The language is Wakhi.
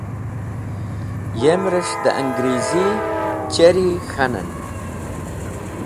Yem’res̃h dẽ Angrizi cherry k̃hanen.